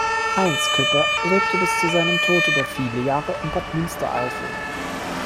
Heinz Küpper lebte bis zu seinem Tod über viele Jahre in Bad Münstereifel.